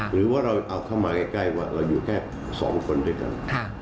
หรือว่าเราเอาเข้ามาใกล้ว่าเราอยู่แค่๒คนด้วยกัน